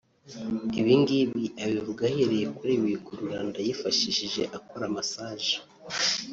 Ibingibi abivuga ahereye kuri ibi bikururanda yifashisha akora massage